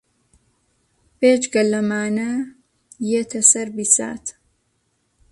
بێجگە لەمانە یێتە سەر بیسات